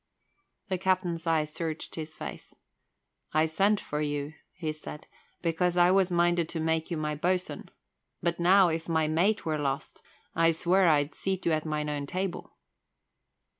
The captain's eyes searched his face. "I sent for you," he said, "because I was minded to make you my boatswain. But now, if my mate were lost, I swear I'd seat you at mine own table."